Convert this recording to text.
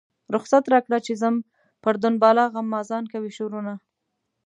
رخصت راکړه چې ځم پر دنباله غمازان کوي شورونه.